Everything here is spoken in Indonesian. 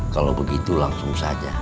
kalau begitu langsung saja